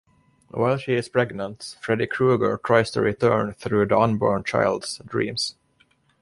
While she is pregnant, Freddy Krueger tries to return through the unborn child’s dreams.